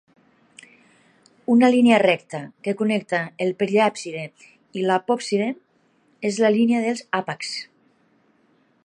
Una línia recta que connecta el periàpside i l'apoàpside és la "línia dels àpexs".